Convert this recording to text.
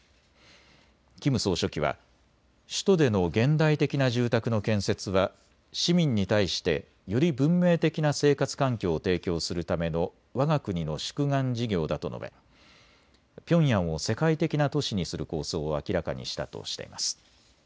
キム総書記は首都での現代的な住宅の建設は市民に対してより文明的な生活環境を提供するためのわが国の宿願事業だと述べ、ピョンヤンを世界的な都市にする構想を明らかにしたとしています。